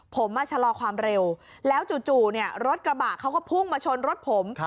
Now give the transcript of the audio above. ผมมาชะลอความเร็วแล้วจู่รถกระบะเขาก็พุ่งมาชนรถผม